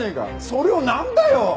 それをなんだよ！？